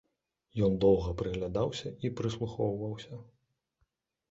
Ён доўга прыглядаўся і прыслухоўваўся.